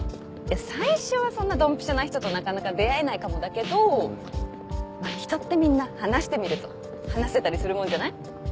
最初はそんなドンピシャな人となかなか出会えないかもだけど人ってみんな話してみると話せたりするもんじゃない。